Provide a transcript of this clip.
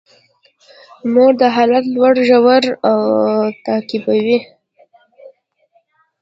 موږ د حالت لوړې ژورې تعقیبوو.